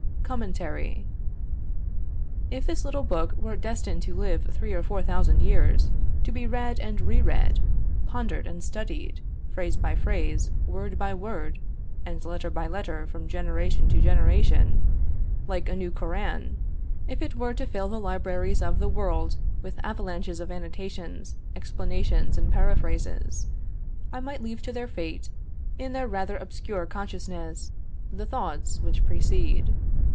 COMMENTARY. If this little book were destined to live three or four thousand years, to be read and re read, pondered and studied, phrase by phrase, word by word, and letter by letter, from generation to generation, like a new Koran; if it were to fill the libraries of the world with avalanches of annotations, explanations and paraphrases, I might leave to their fate, in their rather obscure conciseness, the thoughts which precede.